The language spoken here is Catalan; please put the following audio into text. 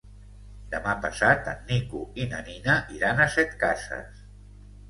Demà passat en Nico i na Nina iran a Setcases.